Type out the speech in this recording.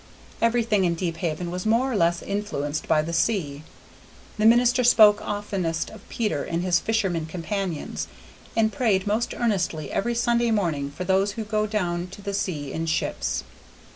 Everything in Deephaven was more or less influenced by the sea; the minister spoke oftenest of Peter and his fishermen companions, and prayed most earnestly every Sunday morning for those who go down to the sea in ships.